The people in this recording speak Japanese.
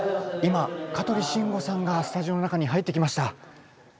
今香取慎吾さんがスタジオの中に入ってきました。